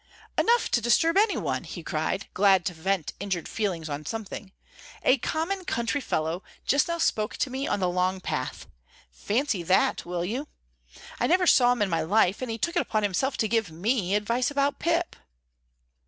"Enough to disturb any one," he cried, glad to vent injured feelings on something. "A common country fellow just now spoke to me on the long path; fancy that, will you? I never saw him in my life, and he took it upon himself to give me advice about Pip."